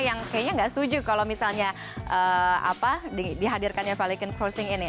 yang kayaknya nggak setuju kalau misalnya dihadirkannya valicon crossing ini